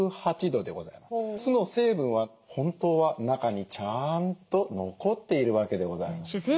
酢の成分は本当は中にちゃんと残っているわけでございます。